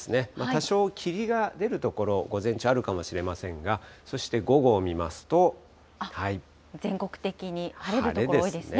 多少、霧が出る所、午前中あるかもしれませんが、そして午後を見全国的に晴れる所多いですね。